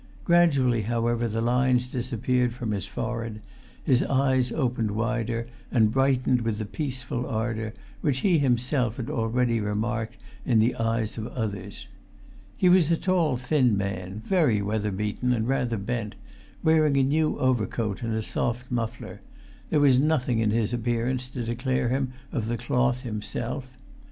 Gradually, however, the lines disappeared from his forehead, his eyes opened wider, and brightened with the peaceful ardour which he himself had already remarked in the eyes of others. He was a tall thin man, very weather beaten and rather bent, wearing[Pg 364] a new overcoat and a soft muffler; there was nothing in his appearance to declare him of the cloth himself.